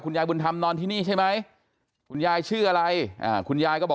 ยายบุญธรรมนอนที่นี่ใช่ไหมคุณยายชื่ออะไรคุณยายก็บอก